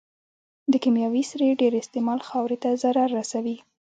د کيمياوي سرې ډېر استعمال خاورې ته ضرر رسوي.